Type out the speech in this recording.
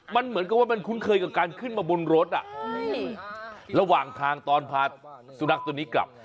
มันเหมือนกับว่ามันคุ้นเคยกับการขึ้นมาบนรถระหว่างทางตอนพาสุนัขตัวนี้กลับ